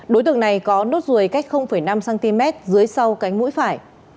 đối tượng này có nốt ruồi cách năm cm dưới sau cánh mũi phải